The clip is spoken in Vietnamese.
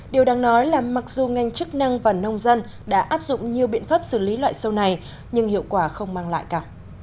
điều đáng nói là mặc dù ngành chức năng và nông dân đã áp dụng nhiều biện pháp xử lý loại sâu này nhưng hiệu quả không mang lại cả